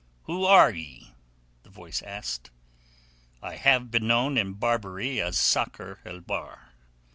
"Who are ye?" the voice asked. "I have been known in Barbary as Sakr el Bahr."